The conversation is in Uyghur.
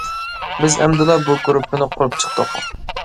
بىز ئەمدىلا بۇ گۇرۇپپىنى قۇرۇپ چىقتۇق.